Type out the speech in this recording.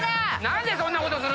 何でそんなことを⁉